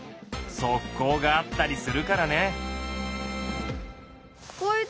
側溝があったりするからね。